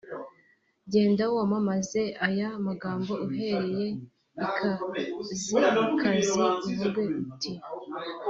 “Genda wamamaze aya magambo uhereye ikasikazi uvuge uti